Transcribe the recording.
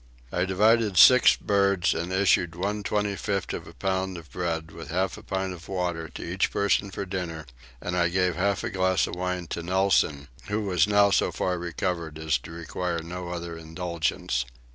I divided six birds and issued one 25th of a pound of bread with half a pint of water to each person for dinner, and I gave half a glass of wine to Nelson, who was now so far recovered as to require no other indulgence.